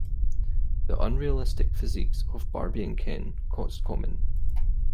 The unrealistic physiques of Barbie and Ken caused comment.